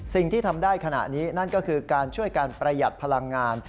สิ่งที่ทำได้ขณะนี้นั่นก็คือการช่วยการประหยัดพลังงาน